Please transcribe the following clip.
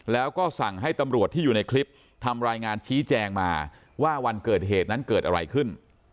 แล้วก็สั่งให้ตำรวจที่อยู่ในคลิปทำรายงานชี้แจงมาว่าวันเกิดเหตุนั้นเกิดอะไรขึ้น